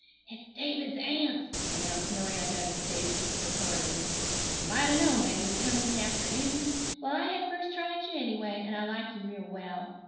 "It's David's aunts," announced Miranda in a stage whisper hurriedly. "I might 'a' known they would come this afternoon. Well, I had first try at you anyway, and I like you real well.